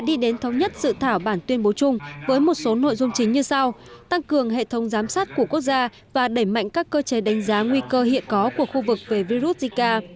đi đến thống nhất dự thảo bản tuyên bố chung với một số nội dung chính như sau tăng cường hệ thống giám sát của quốc gia và đẩy mạnh các cơ chế đánh giá nguy cơ hiện có của khu vực về virus zika